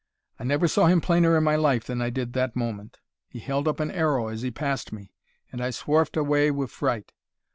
I never saw him plainer in my life than I did that moment; he held up an arrow as he passed me, and I swarf'd awa wi' fright.